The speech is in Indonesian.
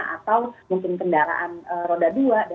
atau mungkin kendaraan roda